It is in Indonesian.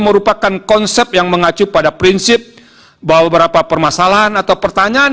merupakan konsep yang mengacu pada prinsip bahwa beberapa permasalahan atau pertanyaan